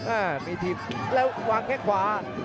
อ่ามีทีมวางแค่ขวา